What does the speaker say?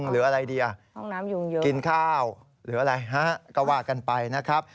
หรืออะไรดีกินข้าวหรืออะไรฮะก็ว่ากันไปนะครับ